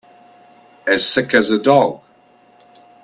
As sick as a dog.